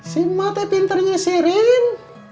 si emak teh pinternya sirin